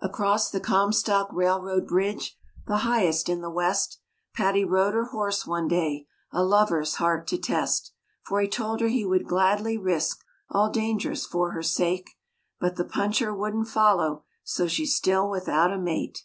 Across the Comstock railroad bridge, the highest in the West, Patty rode her horse one day, a lover's heart to test; For he told her he would gladly risk all dangers for her sake But the puncher wouldn't follow, so she's still without a mate.